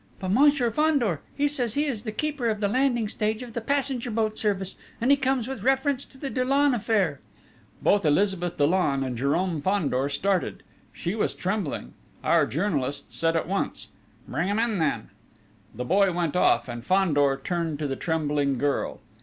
"But Monsieur Fandor, he says he is the keeper of the landing stage of the passenger boat service, and he comes with reference to the Dollon affair!" Both Elizabeth Dollon and Jérôme Fandor started. She was trembling. Our journalist said at once: "Bring him in then!" The boy went off, and Fandor turned to the trembling girl.